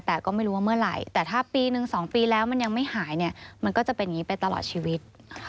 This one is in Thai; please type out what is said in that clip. แต่ก็ไม่รู้ว่าเมื่อไหร่แต่ถ้าปีนึง๒ปีแล้วมันยังไม่หายเนี่ยมันก็จะเป็นอย่างนี้ไปตลอดชีวิต